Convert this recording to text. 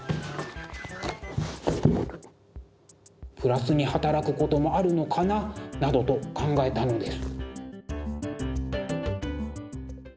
プラスに働くこともあるのかな？などと考えたのです。